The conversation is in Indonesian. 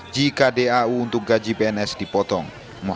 jika dau untuk gaji pns dipotong